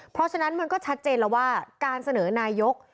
เพราะฉะนั้นมันก็ชัดเจนแล้วว่าการเสนอนายก